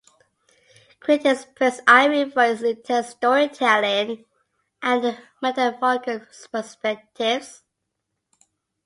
Critics praised "Ivy" for its intense storytelling and metaphorical perspectives.